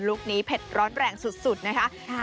ลุคนี้เพชร้อนแรงสุดนะคะ